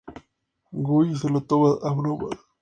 Guy se lo toma a broma.